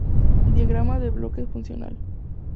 Diagrama de bloques funcional